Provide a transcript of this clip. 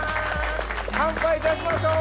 乾杯いたしましょう！